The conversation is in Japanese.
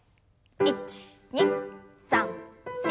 １２３４。